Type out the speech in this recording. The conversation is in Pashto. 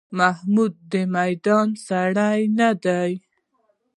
محمود د میدان سړی نه دی.